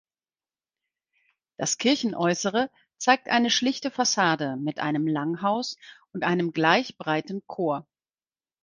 Das Kirchenäußere zeigt eine schlichte Fassade mit einem Langhaus und einem gleich breiten Chor.